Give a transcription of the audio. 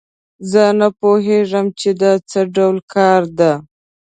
زه نه پوهیږم چې دا څه ډول کار ده